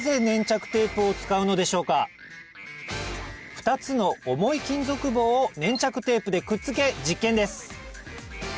２つの重い金属棒を粘着テープでくっつけ実験です